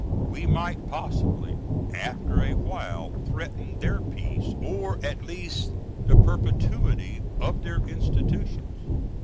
We might, possibly, after a while threaten their peace, or, at least, the perpetuity of their institutions.